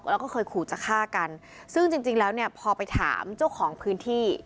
แล้วก็เคยขู่จะฆ่ากันซึ่งจริงจริงแล้วเนี่ยพอไปถามเจ้าของพื้นที่